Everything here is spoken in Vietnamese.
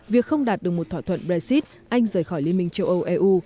việc không đạt được một thỏa thuận brexit anh rời khỏi liên minh châu âu eu